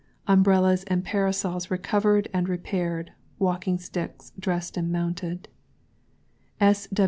Umbrellas and Parasols Recovered and Repaired. Walling Sticks Dressed and Mounted.